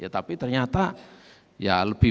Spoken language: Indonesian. tapi ternyata lebih